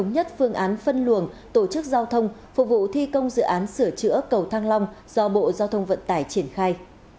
nhất phương án phân luồng tổ chức giao thông phục vụ thi công dự án sửa chữa cầu thăng long do bộ giao thông vận tải triển khai